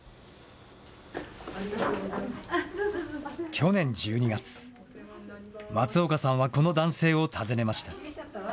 去年１２月、松岡さんはこの男性を訪ねました。